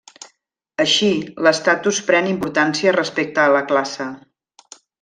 Així, l'estatus pren importància respecte a la classe.